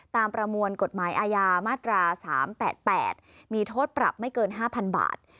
ประมวลกฎหมายอาญามาตรา๓๘๘มีโทษปรับไม่เกิน๕๐๐๐บาท